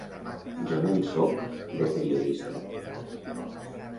Jo no en sóc, de periodista.